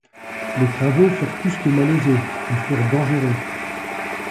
Les travaux furent plus que malaisés ; ils furent dangereux.